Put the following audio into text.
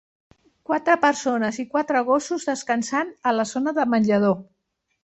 Quatre persones i quatre gossos descansant a la zona de menjador.